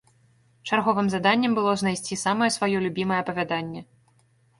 Чарговым заданнем было знайсці самае сваё любімае апавяданне.